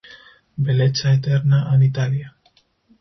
Bellezza Eterna" and "Italia.